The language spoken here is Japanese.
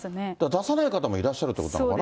出さない方もいらっしゃるということなのかな。